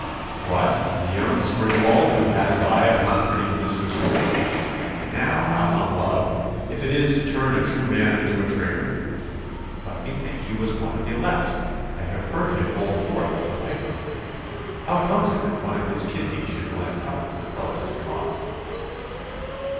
'What, the young springald who had his eye upon pretty Mistress Ruth! Now, out on love, if it is to turn a true man into a traitor! But methought he was one of the elect? I have heard him hold forth to the pikemen. How comes it that one of his kidney should lend help to the Prelatist cause?